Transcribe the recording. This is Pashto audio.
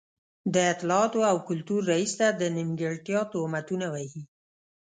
د اطلاعاتو او کلتور رئيس ته د نیمګړتيا تهمتونه وهي.